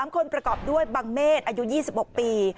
๓คนประกอบด้วยบังเมษอายุ๒๖ปี